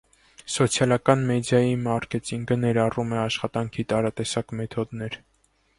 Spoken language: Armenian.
Սոցիալական մեդիայի մարքեթինգը ներառում է աշխատանքի տարատեսակ մեթոդներ։